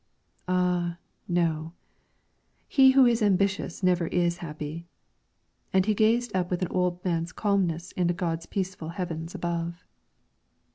"Ah, no! he who is ambitious never is happy," and he gazed up with an old man's calmness into God's peaceful heavens above.